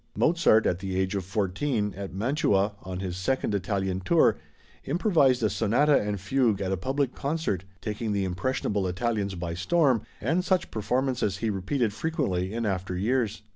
Mozart, at the age of fourteen, at Mantua, on his second Italian tour, improvised a sonata and fugue at a public concert, taking the impressionable Italians by storm, and such performances he repeated frequently in after years.